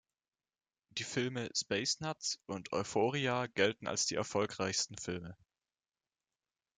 Die Filme Space Nuts und Euphoria gelten als die erfolgreichsten Filme.